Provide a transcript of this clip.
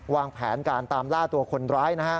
วางแผนการตามล่าตัวคนร้าย